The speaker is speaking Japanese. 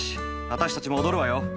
私たちも踊るわよ！